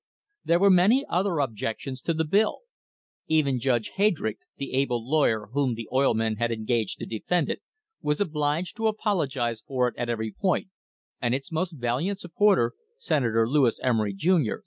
There were many other objections to the bill. Even Judge Heydrick, the able lawyer whom the oil men THE STANDARD OIL COMPANY AND POLITICS had engaged to defend it, was obliged to apologise for it at every point, and its most valiant supporter, Senator Lewis Emery, Jr.